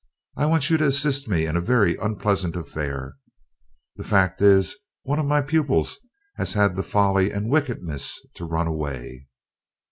I want you to assist me in a very unpleasant affair the fact is, one of my pupils has had the folly and wickedness to run away."